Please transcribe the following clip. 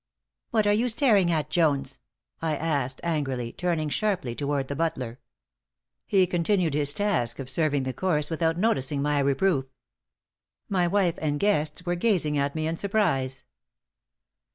"What are you staring at, Jones?" I asked, angrily, turning sharply toward the butler. He continued his task of serving the course without noticing my reproof. My wife and guests were gazing at me in surprise.